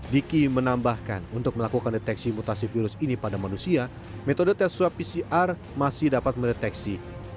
diki menambahkan untuk melakukan deteksi mutasi virus ini pada manusia metode tes swab pcr masih dapat mendeteksi